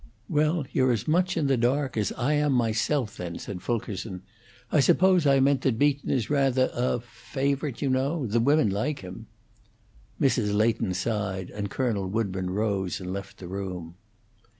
"Well, you're as much in the dark as I am myself, then," said Fulkerson. "I suppose I meant that Beaton is rather a favorite, you know. The women like him." Mrs. Leighton sighed, and Colonel Woodburn rose and left the room.